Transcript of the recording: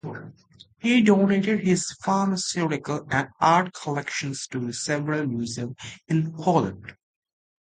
He donated his pharmaceutical and art collections to several museums in Poland.